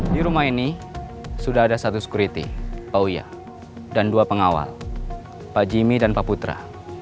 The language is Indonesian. di rumah ini sudah ada satu security pauya dan dua pengawal pak jimmy dan pak putra